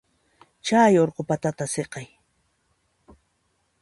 Chay urqu patata siqay.